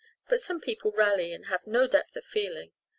But some people really have no depth of feeling.